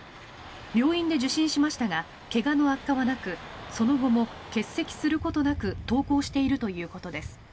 病院で受診しましたが怪我の悪化はなくその後も欠席することなく登校しているということです。